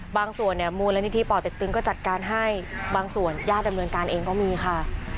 ส่วนเนี่ยมูลนิธิป่อเต็กตึงก็จัดการให้บางส่วนญาติดำเนินการเองก็มีค่ะ